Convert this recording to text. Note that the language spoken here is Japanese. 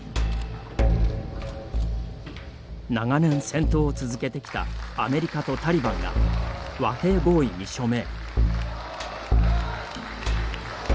長年、戦闘を続けてきたアメリカとタリバンが和平合意に署名。